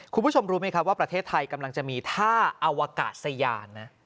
คุณผู้ชมรู้ไหมครับว่าประเทศไทยกำลังจะมีท่าอวกาศยานนะ